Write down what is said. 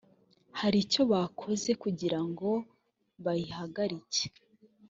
hari icyo bakoze kugira ngo bayihagarike